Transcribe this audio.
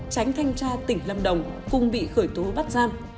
tránh thanh tra tỉnh lâm đồng cùng bị khởi tố bắt giam